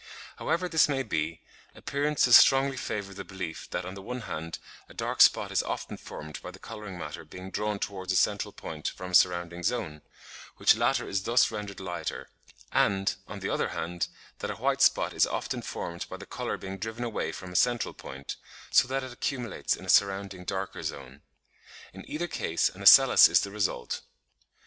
However this may be, appearances strongly favour the belief that on the one hand, a dark spot is often formed by the colouring matter being drawn towards a central point from a surrounding zone, which latter is thus rendered lighter; and, on the other hand, that a white spot is often formed by the colour being driven away from a central point, so that it accumulates in a surrounding darker zone. In either case an ocellus is the result.